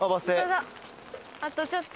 あとちょっと！